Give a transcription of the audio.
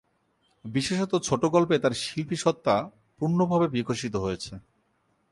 বিশেষত ছোটগল্পে তাঁর শিল্পিসত্তা পূর্ণভাবে বিকশিত হয়েছে।